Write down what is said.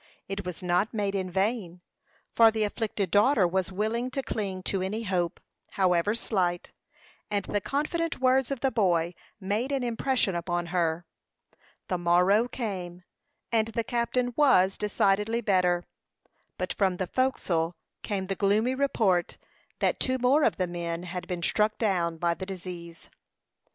It was not made in vain, for the afflicted daughter was willing to cling to any hope, however slight, and the confident words of the boy made an impression upon her. The morrow came, and the captain was decidedly better; but from the forecastle came the gloomy report that two more of the men had been struck down by the disease.